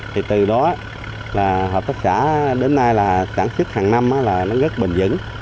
thì từ đó là hợp tác xã đến nay là sản xuất hàng năm là nó rất bền vững